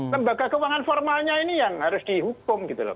lembaga keuangan formalnya ini yang harus dihukum gitu loh